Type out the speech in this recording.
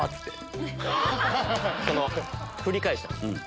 振り返したんです。